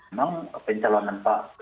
memang pencalonan pak